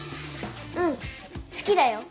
うん好きだよ